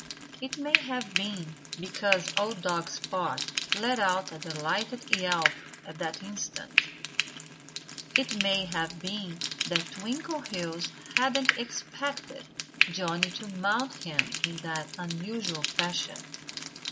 It may have been because old dog Spot let out a delighted yelp at that instant. It may have been that Twinkleheels hadn't expected Johnnie to mount him in that unusual fashion.